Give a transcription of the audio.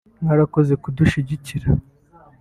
“Mwarakoze kudushyigikira